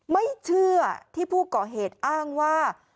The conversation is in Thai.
ไม่เชื่อที่ผู้ก่อเหตุอ้างว่า